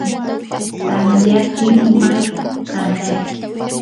tamyaptin mayum qanrayan.